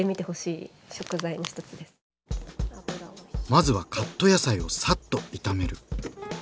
まずはカット野菜をさっと炒める。